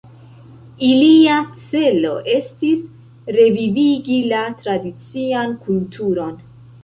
Ilia celo estis revivigi la tradician kulturon.